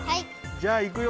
じゃあいくよ！